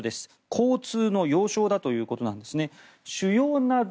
交通の要衝だということなんですね。